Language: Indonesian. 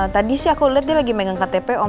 tadi sih aku liat dia lagi main main ktp om